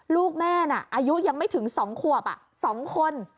ลูกแม่น่ะอายุยังไม่ถึง๒ขวบ๒คน